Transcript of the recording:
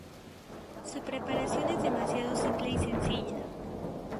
Su preparación es demasiado simple y sencilla.